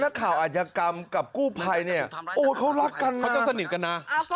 นักข่าวมีอะไรเอากู้ภัยก็ไปลงพื้นที่นะ